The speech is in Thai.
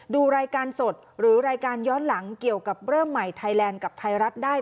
ดูรายการสดหรือรายการย้อนหลังเกี่ยวกับเริ่มใหม่ไทยแลนด์กับไทยรัฐได้